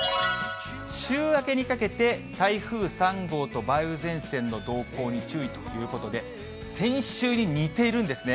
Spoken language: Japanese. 週明けにかけて台風３号と梅雨前線の動向に注意ということで、先週に似てるんですね。